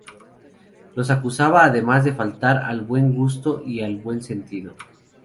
Los acusaba además de faltar al buen gusto y al buen sentido.